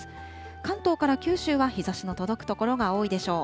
関東から九州は日ざしの届く所が多いでしょう。